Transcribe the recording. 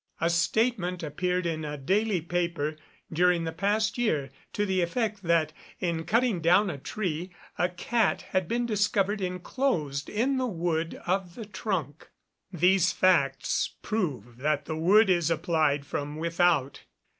A statement appeared in a daily paper, during the past year, to the effect that in cutting down a tree a cat had been discovered inclosed in the wood of the trunk. These facts prove that the wood is applied from without.